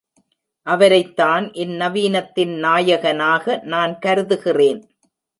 அவரைத்தான் இந் நவீனத்தின் நாயகனாக நான் கருதுகிறேன்.